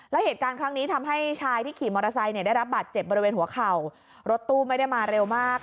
แล้วเหตุการณ์ครั้งนี้ทำให้ชายที่ขี่มอเตอร์ไซค์เนี่ยได้รับบาดเจ็บบริเวณหัวเข่ารถตู้ไม่ได้มาเร็วมาก